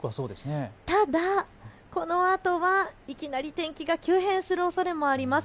ただ、このあとはいきなり天気が急変するおそれもあります。